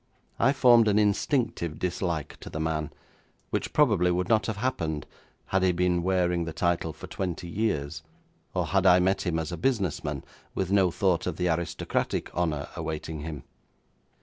I formed an instinctive dislike to the man, which probably would not have happened had he been wearing the title for twenty years, or had I met him as a business man, with no thought of the aristocratic honour awaiting him.